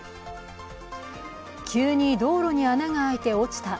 急に道路に穴が開いて落ちた。